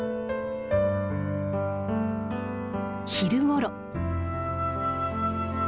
昼ごろ。